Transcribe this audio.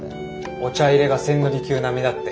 お茶いれが千利休並みだって。